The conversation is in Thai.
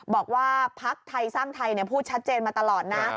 บอกว่าพักไทยสร้างไทยพูดชัดเจนมาตลอดนะ